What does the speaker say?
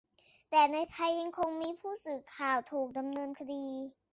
แต่ในไทยยังคงมีผู้สื่อข่าวถูกดำเนินคดี